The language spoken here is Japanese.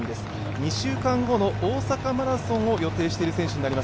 ２週間後の大阪マラソンを予定している選手です。